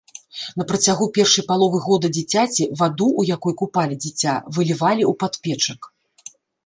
На працягу першай паловы года дзіцяці, ваду, у якой купалі дзіця, вылівалі ў падпечак.